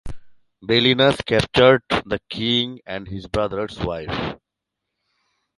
Belinus captured the king and his brother's wife.